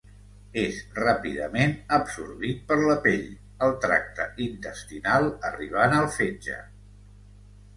És ràpidament absorbit per la pell, el tracte intestinal arribant al fetge.